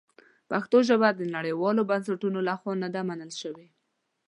پښتو ژبه د نړیوالو بنسټونو لخوا نه ده منل شوې.